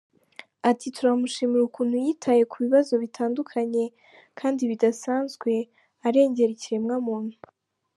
Ati « Turamushimira ukuntu yitaye ku bibazo bitandukanye kandi bidasanzwe arengera ikiremwamuntu.